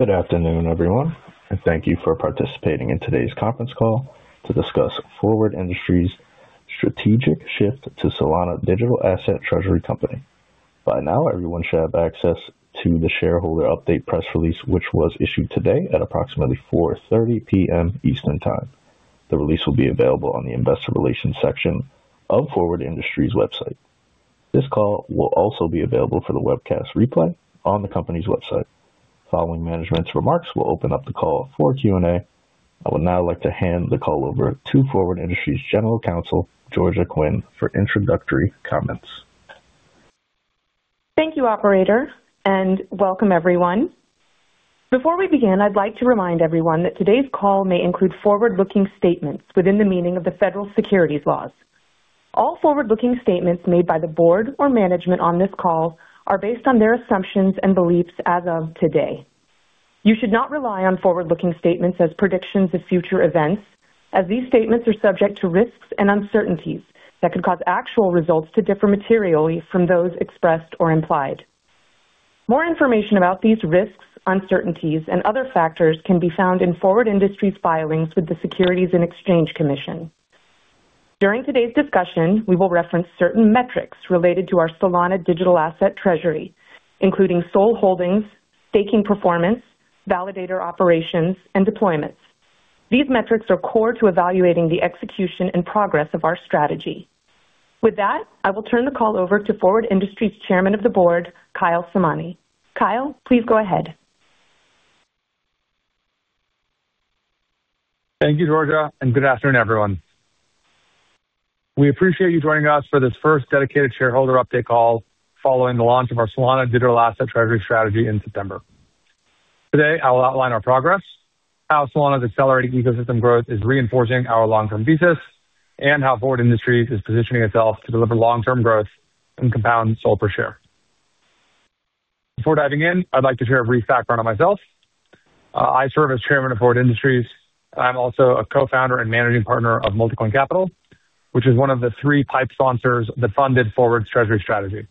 Good afternoon, everyone, and thank you for participating in today's conference call to discuss Forward Industries' strategic shift to Solana Digital Asset Treasury Company. By now, everyone should have access to the shareholder update press release, which was issued today at approximately 4:30 P.M. Eastern Time. The release will be available on the Investor Relations section of Forward Industries' website. This call will also be available for the webcast replay on the company's website. Following management's remarks, we'll open up the call for Q&A. I would now like to hand the call over to Forward Industries' General Counsel, Georgia Quinn, for introductory comments. Thank you, Operator, and welcome, everyone. Before we begin, I'd like to remind everyone that today's call may include forward-looking statements within the meaning of the federal securities laws. All forward-looking statements made by the board or management on this call are based on their assumptions and beliefs as of today. You should not rely on forward-looking statements as predictions of future events, as these statements are subject to risks and uncertainties that could cause actual results to differ materially from those expressed or implied. More information about these risks, uncertainties, and other factors can be found in Forward Industries' filings with the Securities and Exchange Commission. During today's discussion, we will reference certain metrics related to our Solana Digital Asset Treasury, including SOL holdings, staking performance, validator operations, and deployments. These metrics are core to evaluating the execution and progress of our strategy. With that, I will turn the call over to Forward Industries' Chairman of the Board, Kyle Samani. Kyle, please go ahead. Thank you, Georgia, and good afternoon, everyone. We appreciate you joining us for this first dedicated shareholder update call following the launch of our Solana Digital Asset Treasury strategy in September. Today, I will outline our progress, how Solana's accelerating ecosystem growth is reinforcing our long-term thesis, and how Forward Industries is positioning itself to deliver long-term growth and compound SOL per share. Before diving in, I'd like to share a brief background on myself. I serve as Chairman of Forward Industries. I'm also a co-founder and managing partner of Multicoin Capital, which is one of the three PIPE sponsors that funded Forward's treasury strategy.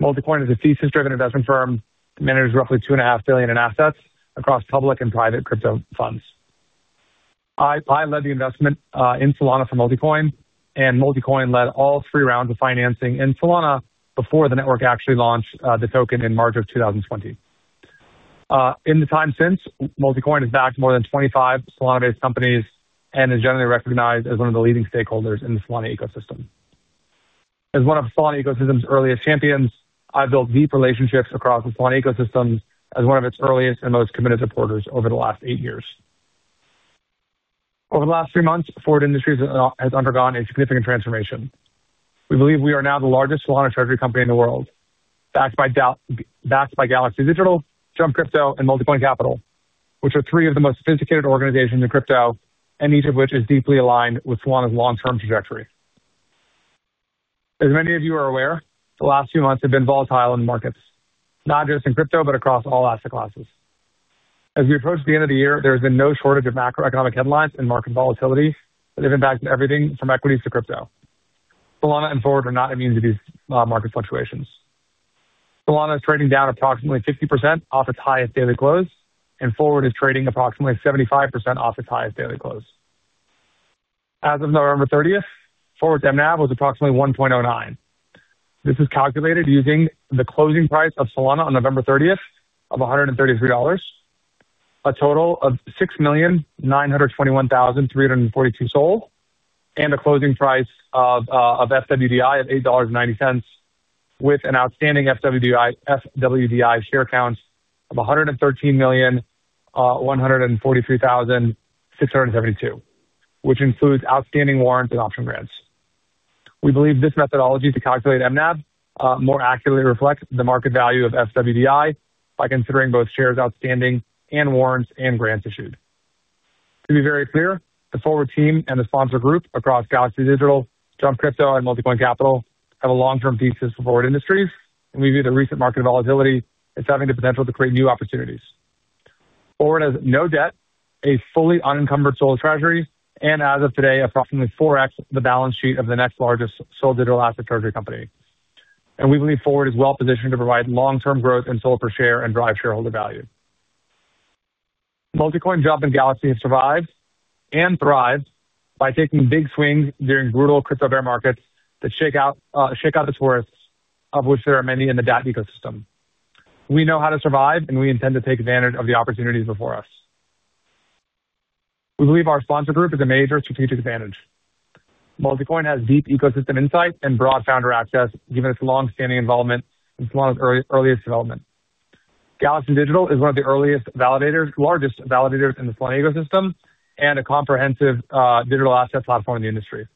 Multicoin is a thesis-driven investment firm that manages roughly $2.5 billion in assets across public and private crypto funds. I led the investment in Solana for Multicoin, and Multicoin led all three rounds of financing in Solana before the network actually launched the token in March of 2020. In the time since, Multicoin has backed more than 25 Solana-based companies and is generally recognized as one of the leading stakeholders in the Solana ecosystem. As one of Solana ecosystem's earliest champions, I've built deep relationships across the Solana ecosystem as one of its earliest and most committed supporters over the last eight years. Over the last three months, Forward Industries has undergone a significant transformation. We believe we are now the largest Solana treasury company in the world, backed by Galaxy Digital, Jump Crypto, and Multicoin Capital, which are three of the most sophisticated organizations in crypto, and each of which is deeply aligned with Solana's long-term trajectory. As many of you are aware, the last few months have been volatile in the markets, not just in crypto but across all asset classes. As we approach the end of the year, there has been no shortage of macroeconomic headlines and market volatility that have impacted everything from equities to crypto. Solana and Forward are not immune to these market fluctuations. Solana is trading down approximately 50% off its highest daily close, and Forward is trading approximately 75% off its highest daily close. As of November 30th, Forward's MNAV was approximately 1.09. This is calculated using the closing price of Solana on November 30th of $133, a total of 6,921,342 SOL, and a closing price of FWDI of $8.90, with an outstanding FWDI share count of 113,143,672 SOL, which includes outstanding warrants and option grants. We believe this methodology to calculate MNAV more accurately reflects the market value of FWDI by considering both shares outstanding and warrants and grants issued. To be very clear, the Forward team and the sponsor group across Galaxy Digital, Jump Crypto, and Multicoin Capital have a long-term thesis for Forward Industries, and we view the recent market volatility as having the potential to create new opportunities. Forward has no debt, a fully unencumbered SOL treasury, and as of today, approximately 4x the balance sheet of the next largest SOL digital asset treasury company. We believe Forward is well positioned to provide long-term growth in SOL per share and drive shareholder value. Multicoin, Jump, and Galaxy have survived and thrived by taking big swings during brutal crypto bear markets that shake out the tourists, of which there are many in the DAT ecosystem. We know how to survive, and we intend to take advantage of the opportunities before us. We believe our sponsor group is a major strategic advantage. Multicoin has deep ecosystem insight and broad founder access, given its long-standing involvement in Solana's earliest development. Galaxy Digital is one of the earliest validators, largest validators in the Solana ecosystem, and a comprehensive digital asset platform in the industry,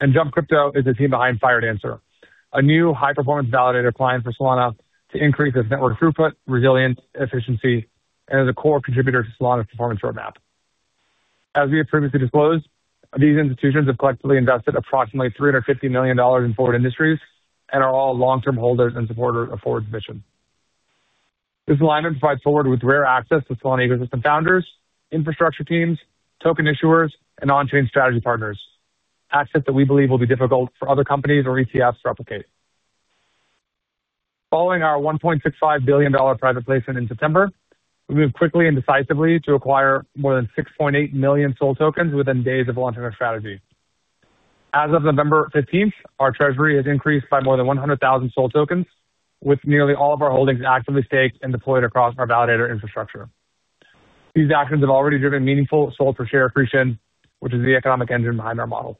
and Jump Crypto is the team behind Firedancer, a new high-performance validator client for Solana to increase its network throughput, resilience, efficiency, and is a core contributor to Solana's performance roadmap. As we have previously disclosed, these institutions have collectively invested approximately $350 million in Forward Industries and are all long-term holders and supporters of Forward's mission. This alignment provides Forward with rare access to Solana ecosystem founders, infrastructure teams, token issuers, and on-chain strategy partners, access that we believe will be difficult for other companies or ETFs to replicate. Following our $1.65 billion private placement in September, we moved quickly and decisively to acquire more than 6.8 million SOL tokens within days of launching our strategy. As of November 15th, our treasury has increased by more than 100,000 SOL tokens, with nearly all of our holdings actively staked and deployed across our validator infrastructure. These actions have already driven meaningful SOL per share accretion, which is the economic engine behind our model.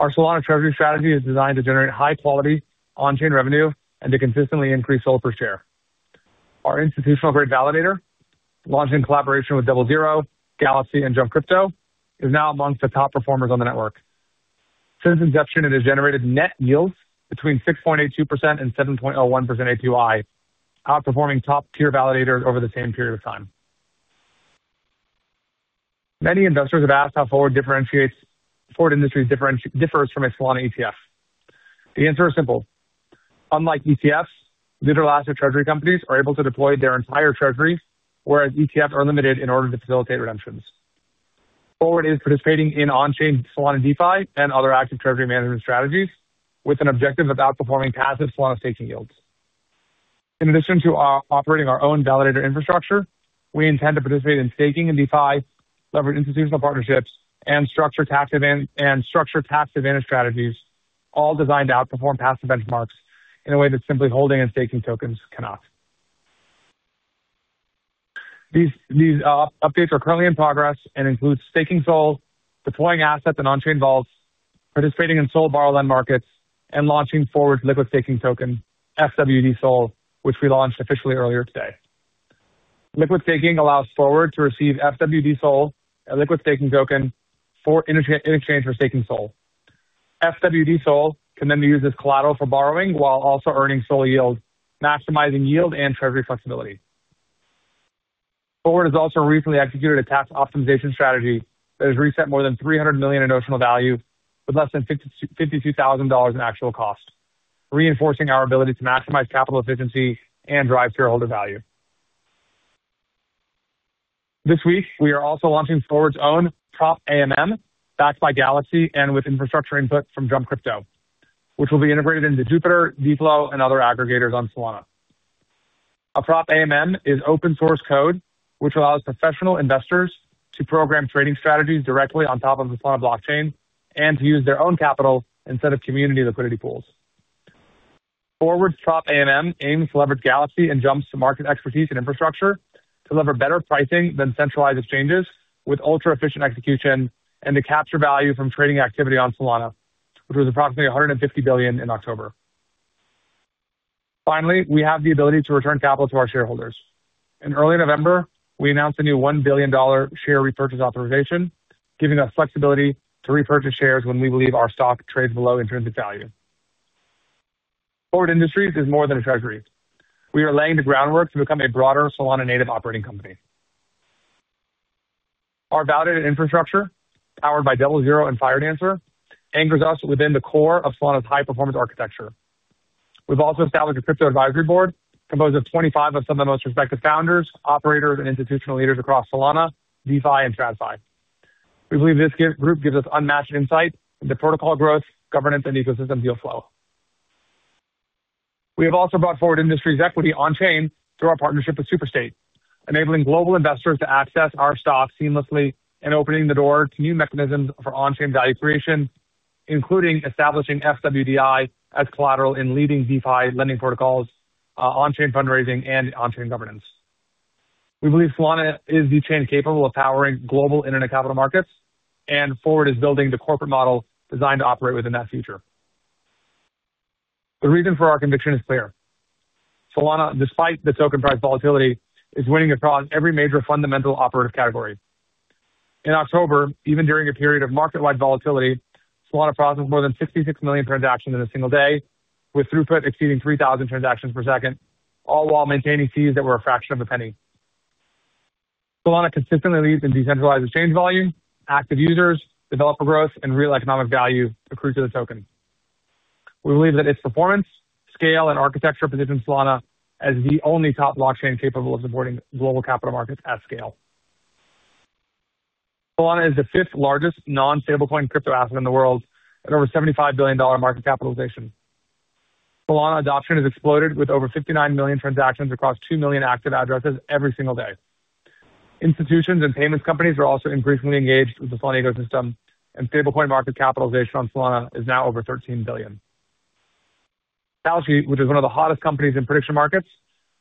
Our Solana treasury strategy is designed to generate high-quality on-chain revenue and to consistently increase SOL per share. Our institutional-grade validator, launched in collaboration with DoubleZero, Galaxy, and Jump Crypto, is now among the top performers on the network. Since inception, it has generated net yields between 6.82% and 7.01% APY, outperforming top-tier validators over the same period of time. Many investors have asked how Forward Industries differs from a Solana ETF. The answer is simple. Unlike ETFs, digital asset treasury companies are able to deploy their entire treasury, whereas ETFs are limited in order to facilitate redemptions. Forward is participating in on-chain Solana DeFi and other active treasury management strategies with an objective of outperforming passive Solana staking yields. In addition to operating our own validator infrastructure, we intend to participate in staking and DeFi, leverage institutional partnerships, and structure tax-advantaged strategies, all designed to outperform passive benchmarks in a way that simply holding and staking tokens cannot. These updates are currently in progress and include staking SOL, deploying assets in on-chain vaults, participating in SOL borrow-lend markets, and launching Forward's liquid staking token, FWD SOL, which we launched officially earlier today. Liquid staking allows Forward to receive FWD SOL, a liquid staking token, in exchange for staking SOL. FWD SOL can then be used as collateral for borrowing while also earning SOL yield, maximizing yield and treasury flexibility. Forward has also recently executed a tax optimization strategy that has reset more than $300 million in notional value with less than $52,000 in actual cost, reinforcing our ability to maximize capital efficiency and drive shareholder value. This week, we are also launching Forward's own PropAMM, backed by Galaxy and with infrastructure input from Jump Crypto, which will be integrated into Jupiter, DeFlow, and other aggregators on Solana. A PropAMM is open-source code, which allows professional investors to program trading strategies directly on top of the Solana blockchain and to use their own capital instead of community liquidity pools. Forward's PropAMM aims to leverage Galaxy and Jump's market expertise and infrastructure to deliver better pricing than centralized exchanges with ultra-efficient execution and to capture value from trading activity on Solana, which was approximately $150 billion in October. Finally, we have the ability to return capital to our shareholders. In early November, we announced a new $1 billion share repurchase authorization, giving us flexibility to repurchase shares when we believe our stock trades below intrinsic value. Forward Industries is more than a treasury. We are laying the groundwork to become a broader Solana-native operating company. Our validator infrastructure, powered by DoubleZero and Firedancer, anchors us within the core of Solana's high-performance architecture. We've also established a crypto advisory board composed of 25 of some of the most respected founders, operators, and institutional leaders across Solana, DeFi, and TradFi. We believe this group gives us unmatched insight into protocol growth, governance, and ecosystem deal flow. We have also brought Forward Industries' equity on-chain through our partnership with Superstate, enabling global investors to access our stock seamlessly and opening the door to new mechanisms for on-chain value creation, including establishing FWDI as collateral in leading DeFi lending protocols, on-chain fundraising, and on-chain governance. We believe Solana is the chain capable of powering global internet capital markets, and Forward is building the corporate model designed to operate within that future. The reason for our conviction is clear. Solana, despite the token price volatility, is winning across every major fundamental operative category. In October, even during a period of market-wide volatility, Solana processed more than $66 million transactions in a single day, with throughput exceeding 3,000 transactions per second, all while maintaining fees that were a fraction of a penny. Solana consistently leads in decentralized exchange volume, active users, developer growth, and real economic value accrued to the token. We believe that its performance, scale, and architecture position Solana as the only top blockchain capable of supporting global capital markets at scale. Solana is the fifth-largest non-stablecoin crypto asset in the world at over $75 billion market capitalization. Solana adoption has exploded with over 59 million transactions across two million active addresses every single day. Institutions and payments companies are also increasingly engaged with the Solana ecosystem, and stablecoin market capitalization on Solana is now over $13 billion. Galaxy, which is one of the hottest companies in prediction markets,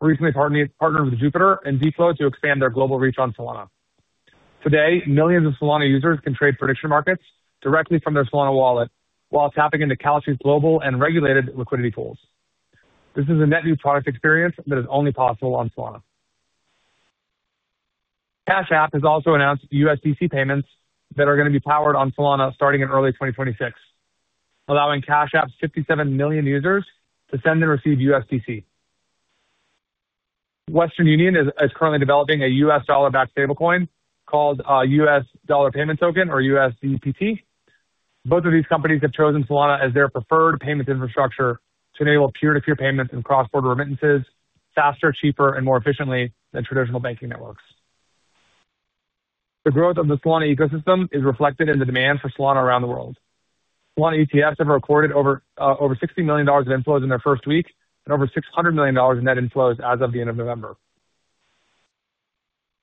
recently partnered with Jupiter and DeFlow to expand their global reach on Solana. Today, millions of Solana users can trade prediction markets directly from their Solana wallet while tapping into Galaxy's global and regulated liquidity pools. This is a net new product experience that is only possible on Solana. Cash App has also announced USDC payments that are going to be powered on Solana starting in early 2026, allowing Cash App's 57 million users to send and receive USDC. Western Union is currently developing a U.S. dollar-backed stablecoin called US Dollar Payment Token, or USDPT. Both of these companies have chosen Solana as their preferred payments infrastructure to enable peer-to-peer payments and cross-border remittances faster, cheaper, and more efficiently than traditional banking networks. The growth of the Solana ecosystem is reflected in the demand for Solana around the world. Solana ETFs have recorded over $60 million in inflows in their first week and over $600 million in net inflows as of the end of November.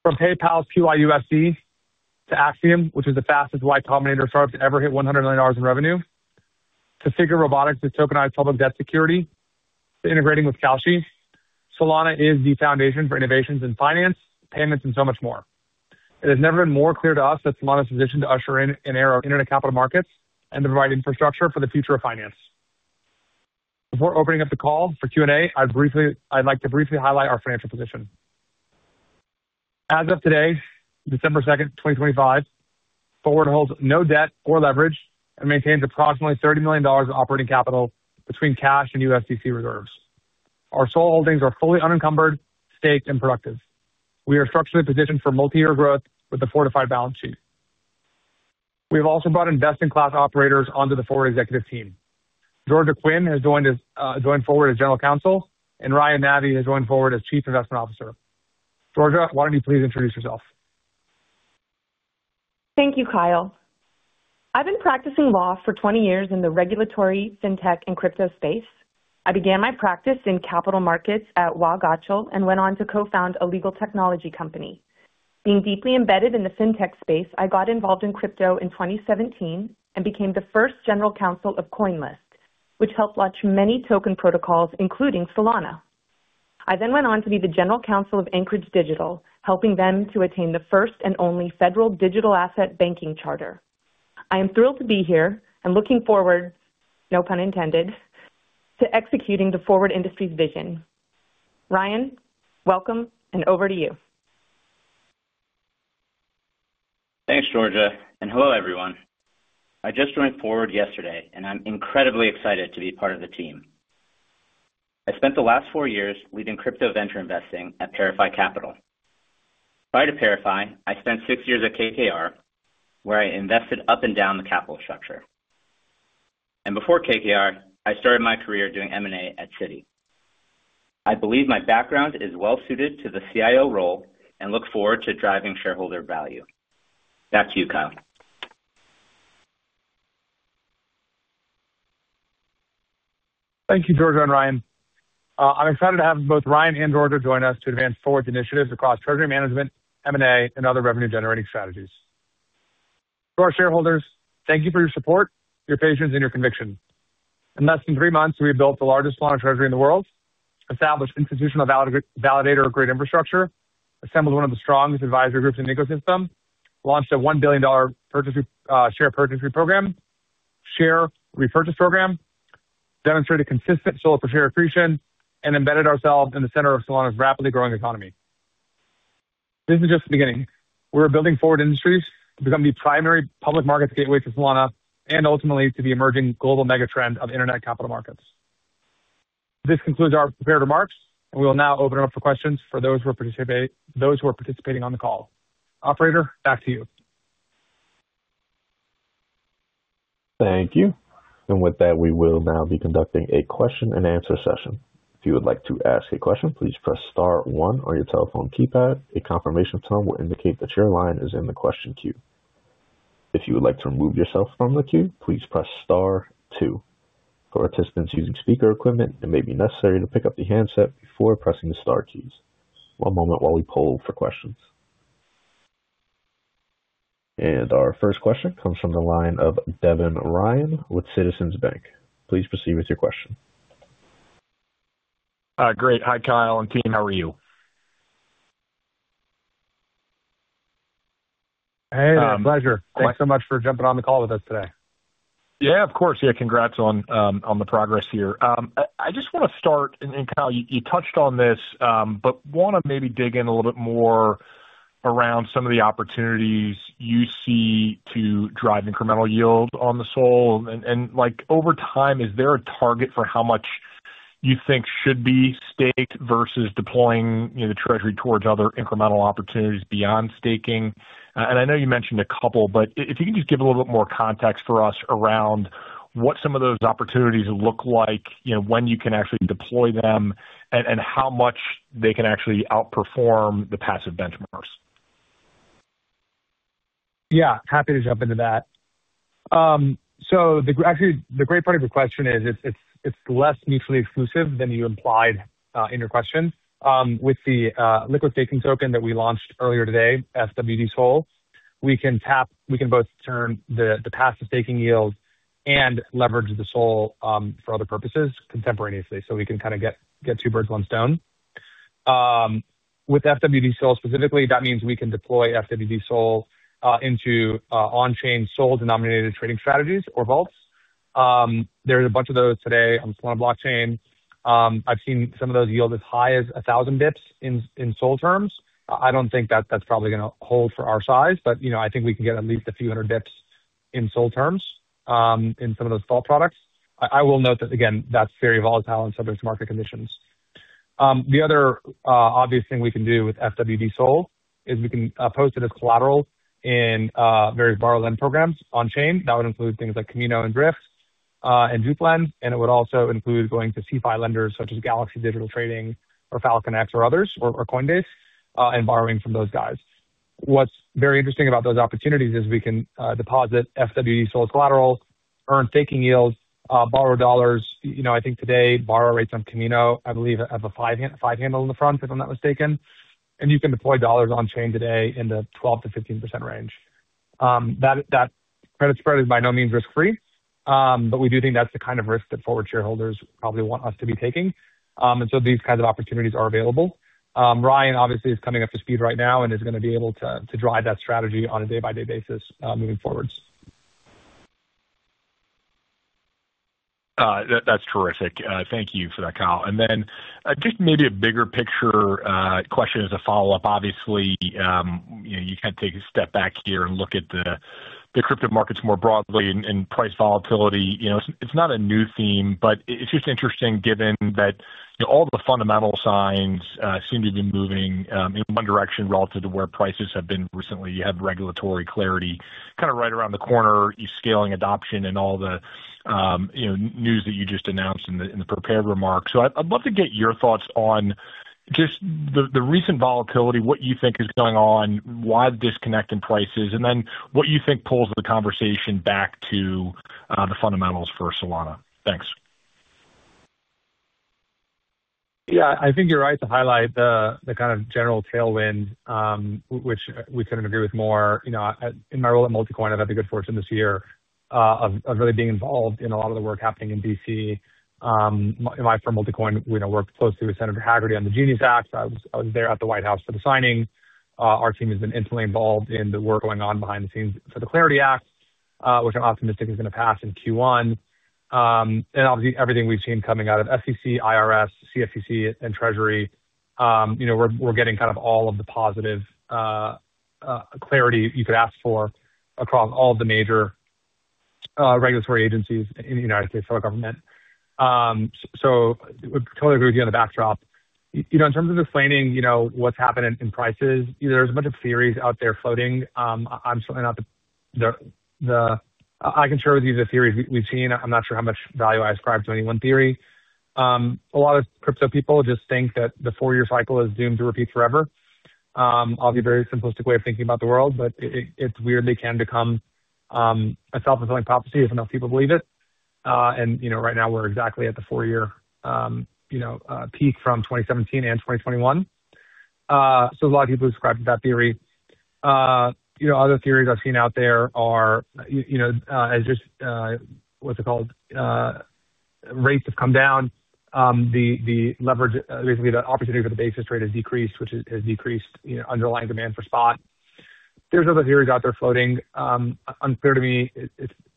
From PayPal's PYUSD to Axiom, which is the fastest Y Combinator startup to ever hit $100 million in revenue, to Figure's tokenized public debt security, to integrating with Cashi, Solana is the foundation for innovations in finance, payments, and so much more. It has never been more clear to us that Solana's position to usher in an era of internet capital markets and to provide infrastructure for the future of finance. Before opening up the call for Q&A, I'd like to briefly highlight our financial position. As of today, December 2nd, 2025, Forward holds no debt or leverage and maintains approximately $30 million in operating capital between cash and USDC reserves. Our SOL holdings are fully unencumbered, staked, and productive. We are structurally positioned for multi-year growth with a fortified balance sheet. We have also brought investing-class operators onto the Forward executive team. Georgia Quinn has joined Forward as general counsel, and Ryan Navi has joined Forward as chief investment officer. Georgia, why don't you please introduce yourself? Thank you, Kyle. I've been practicing law for 20 years in the regulatory, fintech, and crypto space. I began my practice in capital markets at Wachtell, Lipton, Rosen & Katz and went on to co-found a legal technology company. Being deeply embedded in the fintech space, I got involved in crypto in 2017 and became the first general counsel of CoinList, which helped launch many token protocols, including Solana. I then went on to be the general counsel of Anchorage Digital, helping them to attain the first and only federal digital asset banking charter. I am thrilled to be here and looking forward, no pun intended, to executing the Forward Industries vision. Ryan, welcome, and over to you. Thanks, Georgia, and hello, everyone. I just joined Forward yesterday, and I'm incredibly excited to be part of the team. I spent the last four years leading crypto venture investing at ParaFi Capital. Prior to ParaFi, I spent six years at KKR, where I invested up and down the capital structure. And before KKR, I started my career doing M&A at Citi. I believe my background is well-suited to the CIO role and look forward to driving shareholder value. Back to you, Kyle. Thank you, Georgia and Ryan. I'm excited to have both Ryan and Georgia join us to advance Forward's initiatives across treasury management, M&A, and other revenue-generating strategies. To our shareholders, thank you for your support, your patience, and your conviction. In less than three months, we have built the largest Solana treasury in the world, established institutional validator-grade infrastructure, assembled one of the strongest advisory groups in the ecosystem, launched a $1 billion share purchase reprogram, share repurchase program, demonstrated consistent SOL per share accretion, and embedded ourselves in the center of Solana's rapidly growing economy. This is just the beginning. We're building Forward Industries to become the primary public markets gateway to Solana and ultimately to the emerging global megatrend of internet capital markets. This concludes our prepared remarks, and we will now open it up for questions for those who are participating on the call. Operator, back to you. Thank you. And with that, we will now be conducting a question-and-answer session. If you would like to ask a question, please press Star one on your telephone keypad. A confirmation tone will indicate that your line is in the question queue. If you would like to remove yourself from the queue, please press Star two. For participants using speaker equipment, it may be necessary to pick up the handset before pressing the Star keys. One moment while we poll for questions. Our first question comes from the line of Devin Ryan with Citizens Bank. Please proceed with your question. Great. Hi, Kyle and team. How are you? Hey, pleasure. Thanks so much for jumping on the call with us today. Yeah, of course. Yeah, congrats on the progress here. I just want to start, and Kyle, you touched on this, but want to maybe dig in a little bit more around some of the opportunities you see to drive incremental yield on the SOL. Over time, is there a target for how much you think should be staked versus deploying the treasury towards other incremental opportunities beyond staking? And I know you mentioned a couple, but if you can just give a little bit more context for us around what some of those opportunities look like, when you can actually deploy them, and how much they can actually outperform the passive benchmarks? Yeah, happy to jump into that. Actually, the great part of your question is it's less mutually exclusive than you implied in your question. With the liquid staking token that we launched earlier today, FWD SOL, we can both turn the passive staking yield and leverage the SOL for other purposes contemporaneously. We can kind of get two birds with one stone. With FWD SOL specifically, that means we can deploy FWD SOL into on-chain SOL-denominated trading strategies or vaults. There's a bunch of those today on the Solana blockchain. I've seen some of those yield as high as 1,000 basis points in SOL terms. I don't think that that's probably going to hold for our size, but I think we can get at least a few hundred basis points in SOL terms in some of those vault products. I will note that, again, that's very volatile in some of its market conditions. The other obvious thing we can do with FWD SOL is we can post it as collateral in various borrow-lend programs on-chain. That would include things like Kamino and Drift and JupLend. And it would also include going to CeFi lenders such as Galaxy Digital or FalconX or others or Coinbase and borrowing from those guys. What's very interesting about those opportunities is we can deposit FWD SOL as collateral, earn staking yields, borrow dollars. I think today borrow rates on Kamino, I believe, have a five-handle in the front, if I'm not mistaken. And you can deploy dollars on-chain today in the 12%-15% range. That credit spread is by no means risk-free, but we do think that's the kind of risk that Forward shareholders probably want us to be taking. And so these kinds of opportunities are available. Ryan, obviously, is coming up to speed right now and is going to be able to drive that strategy on a day-by-day basis moving forwards. That's terrific. Thank you for that, Kyle. And then just maybe a bigger picture question as a follow-up. Obviously, you kind of take a step back here and look at the crypto markets more broadly and price volatility. It's not a new theme, but it's just interesting given that all the fundamental signs seem to be moving in one direction relative to where prices have been recently. You have regulatory clarity kind of right around the corner. You're scaling adoption and all the news that you just announced in the prepared remarks. So I'd love to get your thoughts on just the recent volatility, what you think is going on, why the disconnect in prices, and then what you think pulls the conversation back to the fundamentals for Solana. Thanks. Yeah, I think you're right to highlight the kind of general tailwind, which we couldn't agree with more. In my role at Multicoin, I've had the good fortune this year of really being involved in a lot of the work happening in DC. In my firm Multicoin, we worked closely with Senator Hagerty on the Genius Act. I was there at the White House for the signing. Our team has been instantly involved in the work going on behind the scenes for the Clarity Act, which I'm optimistic is going to pass in Q1, and obviously, everything we've seen coming out of SEC, IRS, CFTC, and Treasury, we're getting kind of all of the positive clarity you could ask for across all of the major regulatory agencies in the United States federal government, so I totally agree with you on the backdrop. In terms of explaining what's happened in prices, there's a bunch of theories out there floating. I'm certainly not the—I can share with you the theories we've seen. I'm not sure how much value I ascribe to any one theory. A lot of crypto people just think that the four-year cycle is doomed to repeat forever. Obviously, a very simplistic way of thinking about the world, but it weirdly can become a self-fulfilling prophecy if enough people believe it. And right now, we're exactly at the four-year peak from 2017 and 2021. So a lot of people described that theory. Other theories I've seen out there are, as just what's it called, rates have come down. Basically, the opportunity for the basis rate has decreased, which has decreased underlying demand for spot. There's other theories out there floating. Unclear to me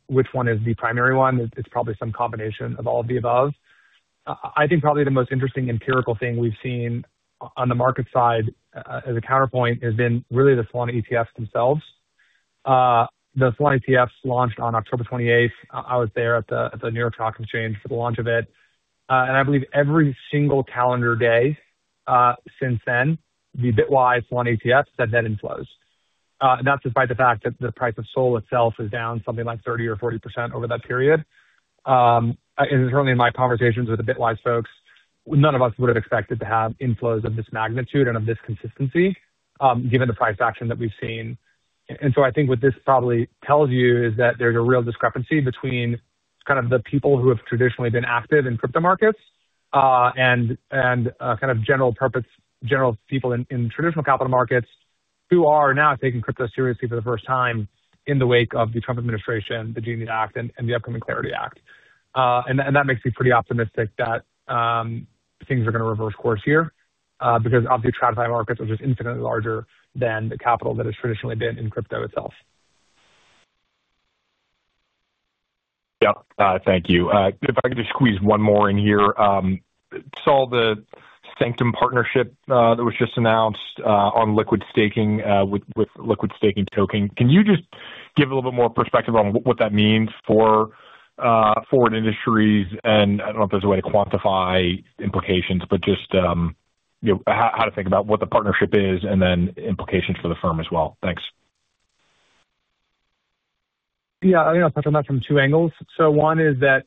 which one is the primary one. It's probably some combination of all of the above. I think probably the most interesting empirical thing we've seen on the market side as a counterpoint has been really the Solana ETFs themselves. The Solana ETFs launched on October 28th. I was there at the New York Stock Exchange for the launch of it. I believe every single calendar day since then, the Bitwise Solana ETFs have had inflows. That's despite the fact that the price of SOL itself is down something like 30% or 40% over that period. Certainly, in my conversations with the Bitwise folks, none of us would have expected to have inflows of this magnitude and of this consistency given the price action that we've seen. I think what this probably tells you is that there's a real discrepancy between kind of the people who have traditionally been active in crypto markets and kind of general purpose, general people in traditional capital markets who are now taking crypto seriously for the first time in the wake of the Trump administration, the Genius Act, and the upcoming Clarity Act. That makes me pretty optimistic that things are going to reverse course here because, obviously, TradFi markets are just infinitely larger than the capital that has traditionally been in crypto itself. Yep. Thank you. If I could just squeeze one more in here. I saw the Sanctum partnership that was just announced on liquid staking with liquid staking token. Can you just give a little bit more perspective on what that means for Forward Industries? I don't know if there's a way to quantify implications, but just how to think about what the partnership is and then implications for the firm as well. Thanks. Yeah. I'll touch on that from two angles. So one is that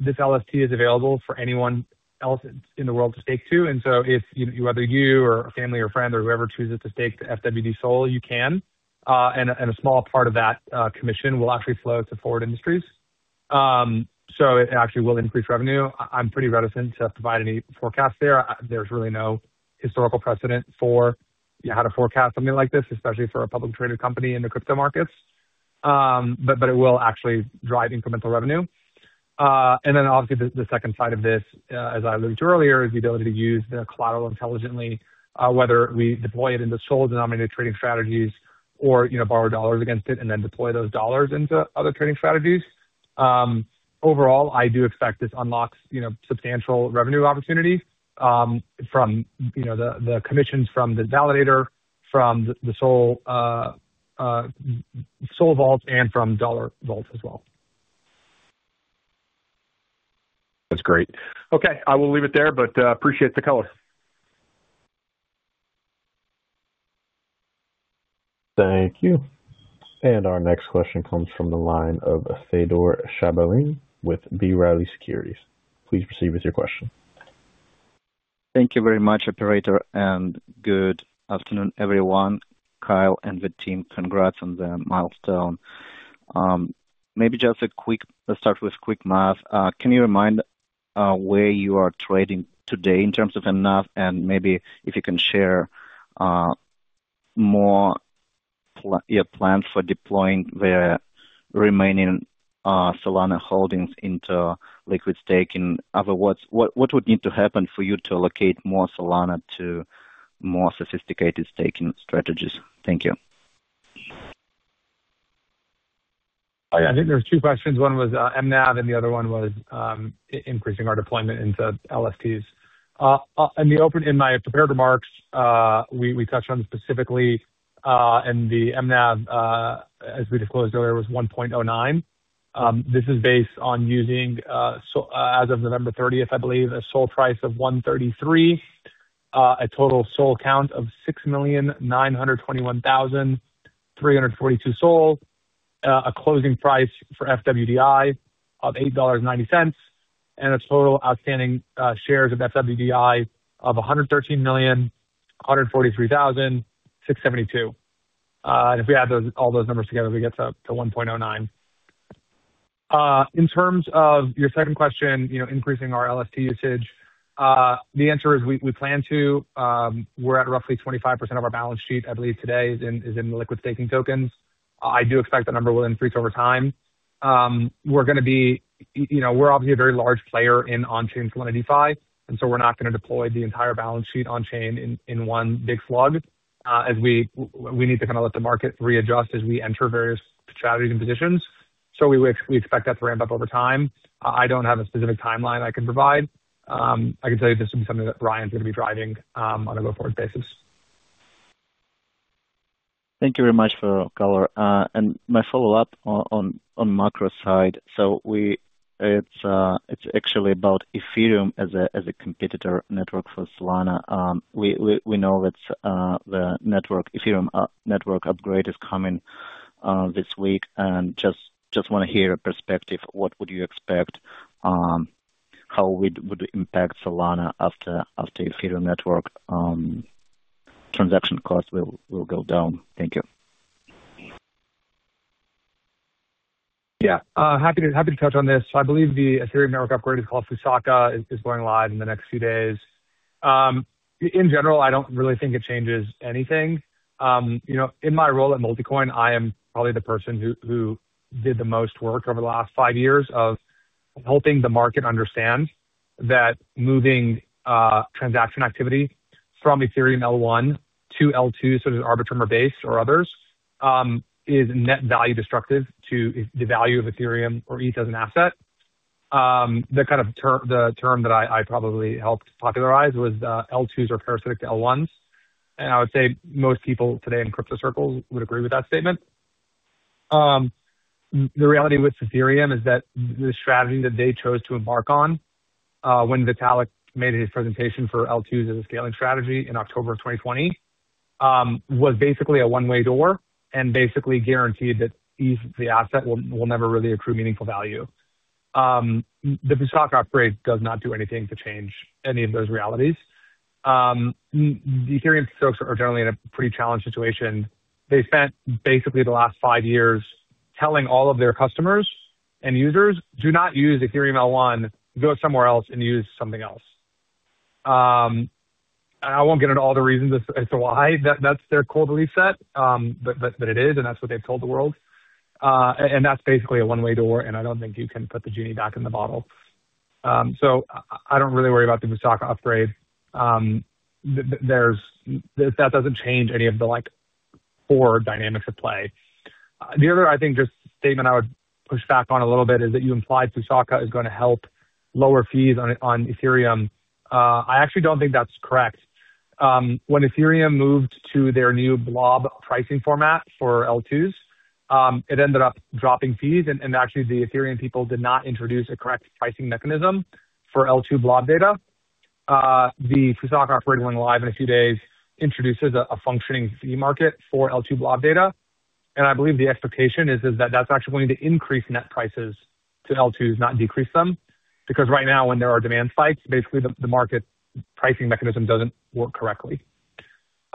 this LST is available for anyone else in the world to stake to. So if you, whether you or a family or friend or whoever chooses to stake the FWD SOL, you can. And a small part of that commission will actually flow to Forward Industries. So it actually will increase revenue. I'm pretty reticent to provide any forecast there. There's really no historical precedent for how to forecast something like this, especially for a publicly traded company in the crypto markets. But it will actually drive incremental revenue. And then, obviously, the second side of this, as I alluded to earlier, is the ability to use the collateral intelligently, whether we deploy it in the SOL-denominated trading strategies or borrow dollars against it and then deploy those dollars into other trading strategies. Overall, I do expect this unlocks substantial revenue opportunity from the commissions from the validator, from the SOL vault, and from dollar vault as well. That's great. Okay. I will leave it there, but appreciate the color. Thank you. Our next question comes from the line of Fedor Shabalin with B. Riley Securities. Please proceed with your question. Thank you very much, Operator. Good afternoon, everyone. Kyle and the team, congrats on the milestone. Maybe just a quick, let's start with quick math. Can you remind where you are trading today in terms of NAV? And maybe if you can share more plans for deploying the remaining Solana holdings into liquid staking. Otherwise, what would need to happen for you to allocate more Solana to more sophisticated staking strategies? Thank you. I think there were two questions. One was MNAV, and the other one was increasing our deployment into LSTs. In my prepared remarks, we touched on this specifically. The MNAV, as we disclosed earlier, was 1.09. This is based on using, as of November 30th, I believe, a SOL price of $133, a total SOL count of 6,921,342 SOL, a closing price for FWDI of $8.90, and a total outstanding shares of FWDI of 113,143,672 SOL. If we add all those numbers together, we get to 1.09. In terms of your second question, increasing our LST usage, the answer is we plan to. We're at roughly 25% of our balance sheet, I believe, today is in liquid staking tokens. I do expect the number will increase over time. We're going to be—we're obviously a very large player in on-chain Solana DeFi. So we're not going to deploy the entire balance sheet on-chain in one big slug. We need to kind of let the market readjust as we enter various strategies and positions. So we expect that to ramp up over time. I don't have a specific timeline I can provide. I can tell you this would be something that Ryan is going to be driving on a go forward basis. Thank you very much for your color. And my follow-up on macro side. So it's actually about Ethereum as a competitor network for Solana. We know that the Ethereum network upgrade is coming this week. And just want to hear a perspective. What would you expect? How would it impact Solana after Ethereum network transaction costs will go down? Thank you. Yeah. Happy to touch on this. I believe the Ethereum network upgrade is called Fusaka, is going live in the next few days. In general, I don't really think it changes anything. In my role at Multicoin, I am probably the person who did the most work over the last five years of helping the market understand that moving transaction activity from Ethereum L1 to L2, so there's Arbitrum or Base or others, is net value destructive to the value of Ethereum or ETH as an asset. The kind of term that I probably helped popularize was L2s are parasitic to L1s. I would say most people today in crypto circles would agree with that statement. The reality with Ethereum is that the strategy that they chose to embark on when Vitalik made his presentation for L2s as a scaling strategy in October of 2020 was basically a one-way door and basically guaranteed that ETH as the asset will never really accrue meaningful value. The Fusaka upgrade does not do anything to change any of those realities. The Ethereum folks are generally in a pretty challenged situation. They spent basically the last five years telling all of their customers and users, "Do not use Ethereum L1. Go somewhere else and use something else." I won't get into all the reasons as to why that's their core belief set, but it is, and that's what they've told the world. And that's basically a one-way door, and I don't think you can put the genie back in the bottle. So I don't really worry about the Fusaka upgrade. That doesn't change any of the core dynamics at play. The other, I think, just statement I would push back on a little bit is that you implied Fusaka is going to help lower fees on Ethereum. I actually don't think that's correct. When Ethereum moved to their new blob pricing format for L2s, it ended up dropping fees. Actually, the Ethereum people did not introduce a correct pricing mechanism for L2 blob data. The Fusaka upgrade going live in a few days introduces a functioning fee market for L2 blob data. I believe the expectation is that that's actually going to increase net prices to L2s, not decrease them. Because right now, when there are demand spikes, basically the market pricing mechanism doesn't work correctly. So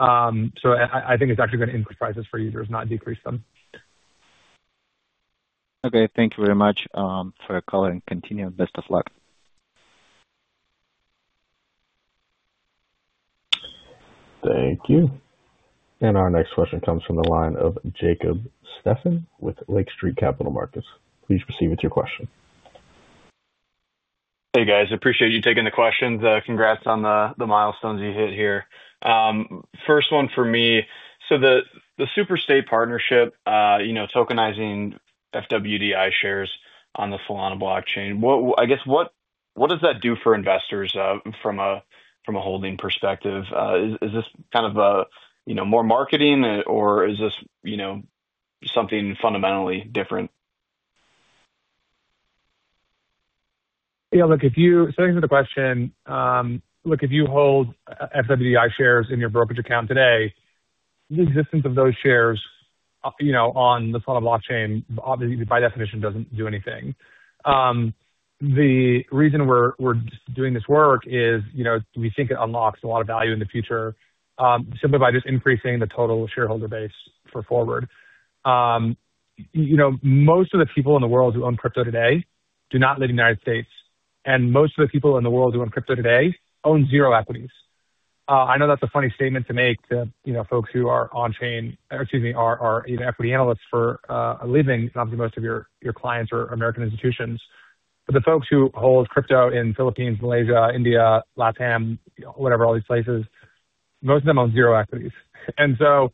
I think it's actually going to increase prices for users, not decrease them. Okay. Thank you very much for your call and continue. Best of luck. Thank you. Our next question comes from the line of Jacob Steffen with Lake Street Capital Markets. Please proceed with your question. Hey, guys. Appreciate you taking the questions. Congrats on the milestones you hit here. First one for me. So the Superstate partnership, tokenizing FWDI shares on the Solana blockchain, I guess, what does that do for investors from a holding perspective? Is this kind of more marketing, or is this something fundamentally different? Yeah. So to answer the question, if you hold FWDI shares in your brokerage account today, the existence of those shares on the Solana blockchain, obviously, by definition, doesn't do anything. The reason we're doing this work is we think it unlocks a lot of value in the future simply by just increasing the total shareholder base for Forward. Most of the people in the world who own crypto today do not live in the United States. And most of the people in the world who own crypto today own zero equities. I know that's a funny statement to make to folks who are on-chain or, excuse me, are equity analysts for a living. Obviously, most of your clients are American institutions. But the folks who hold crypto in the Philippines, Malaysia, India, LatAm, whatever, all these places, most of them own zero equities. And so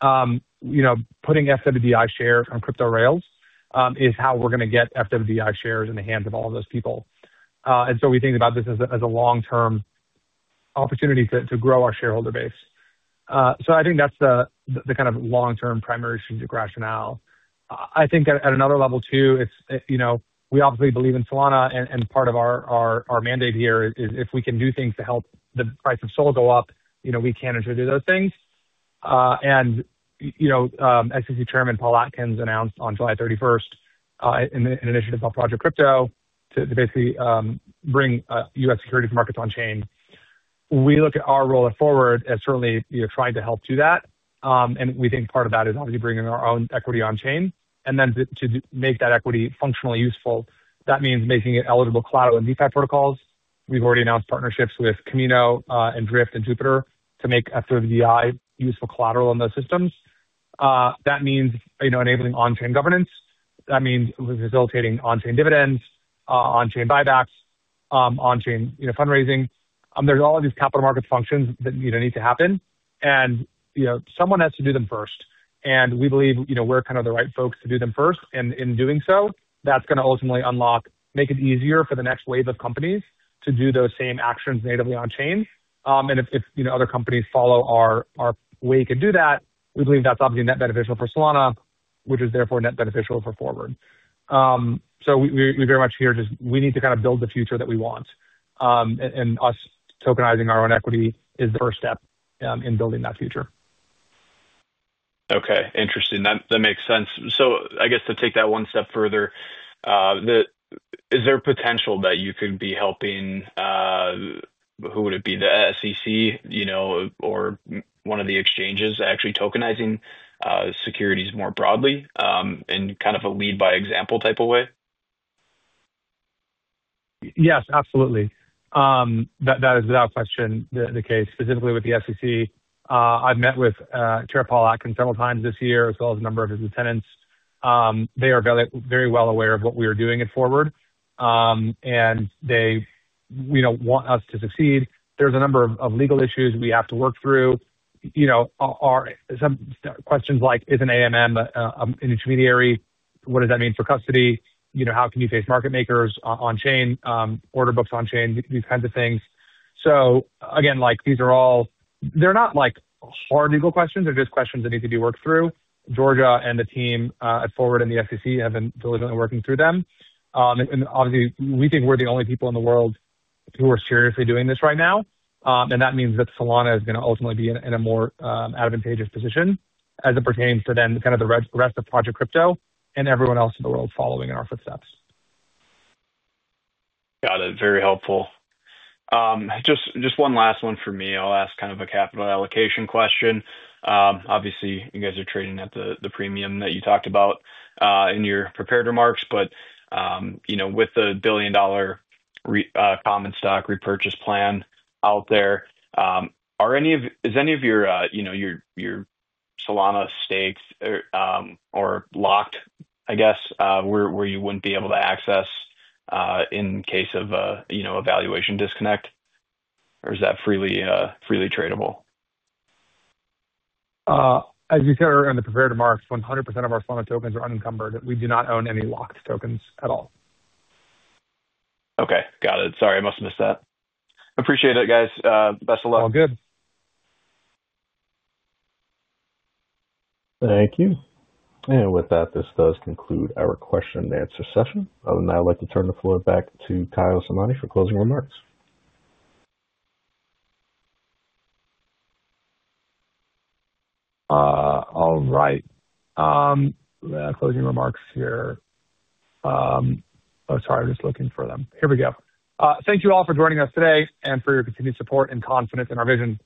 putting FWDI shares on crypto rails is how we're going to get FWDI shares in the hands of all of those people. And so we think about this as a long-term opportunity to grow our shareholder base. So I think that's the kind of long-term primary strategic rationale. I think at another level too, we obviously believe in Solana, and part of our mandate here is if we can do things to help the price of SOL go up, we can introduce those things. And SEC Chairman Paul Atkins announced on July 31st an initiative called Project Crypto to basically bring U.S. securities markets on-chain. We look at our role at Forward as certainly trying to help do that. And we think part of that is obviously bringing our own equity on-chain. And then to make that equity functionally useful, that means making it eligible collateral in DeFi protocols. We've already announced partnerships with Kamino and Drift and Jupiter to make FWDI useful collateral on those systems. That means enabling on-chain governance. That means facilitating on-chain dividends, on-chain buybacks, on-chain fundraising. There's all of these capital markets functions that need to happen. And someone has to do them first. And we believe we're kind of the right folks to do them first. And in doing so, that's going to ultimately unlock, make it easier for the next wave of companies to do those same actions natively on-chain. If other companies follow our way to do that, we believe that's obviously net beneficial for Solana, which is therefore net beneficial for Forward. We very much agree we just need to kind of build the future that we want. Our tokenizing our own equity is the first step in building that future. Okay. Interesting. That makes sense. I guess to take that one step further, is there a potential that you could be helping? Who would it be? The SEC or one of the exchanges actually tokenizing securities more broadly in kind of a lead-by-example type of way? Yes, absolutely. That is without question the case. Specifically with the SEC, I've met with Chairman Paul Atkins several times this year, as well as a number of his lieutenants. They are very well aware of what we are doing at Forward. And they want us to succeed. There's a number of legal issues we have to work through. Questions like, is an AMM an intermediary? What does that mean for custody? How can you place market makers on-chain? Order books on-chain, these kinds of things. So again, these are all. They're not hard legal questions. They're just questions that need to be worked through. Georgia and the team at Forward and the SEC have been diligently working through them. And obviously, we think we're the only people in the world who are seriously doing this right now. And that means that Solana is going to ultimately be in a more advantageous position as it pertains to then kind of the rest of Project Crypto and everyone else in the world following in our footsteps. Got it. Very helpful. Just one last one for me. I'll ask kind of a capital allocation question. Obviously, you guys are trading at the premium that you talked about in your prepared remarks. But with the $1 billion common stock repurchase plan out there, is any of your Solana stakes locked, I guess, where you wouldn't be able to access in case of a valuation disconnect? Or is that freely tradable? As you said earlier in the prepared remarks, 100% of our Solana tokens are unencumbered. We do not own any locked tokens at all. Okay. Got it. Sorry, I must have missed that. Appreciate it, guys. Best of luck. All good. Thank you. And with that, this does conclude our question and answer session. Other than that, I'd like to turn the floor back to Kyle Samani for closing remarks. All right. Closing remarks here. Oh, sorry, I'm just looking for them. Here we go. Thank you all for joining us today and for your continued support and confidence in our vision.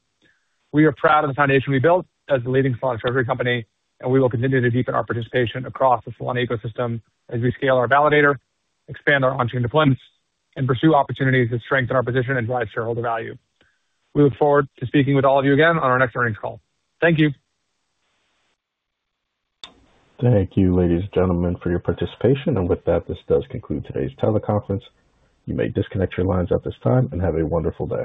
We are proud of the foundation we built as the leading Solana treasury company, and we will continue to deepen our participation across the Solana ecosystem as we scale our validator, expand our on-chain deployments, and pursue opportunities that strengthen our position and drive shareholder value. We look forward to speaking with all of you again on our next earnings call. Thank you. Thank you, ladies and gentlemen, for your participation. And with that, this does conclude today's teleconference. You may disconnect your lines at this time and have a wonderful day.